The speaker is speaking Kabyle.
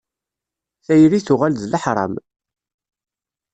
Tayri tuɣal d leḥram.